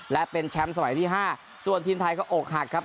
และเป็นแชมป์สมัยที่๕ส่วนทีมไทยก็อกหักครับ